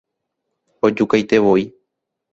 Ojukaitevoi.